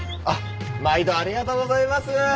あっ毎度ありがとうございます。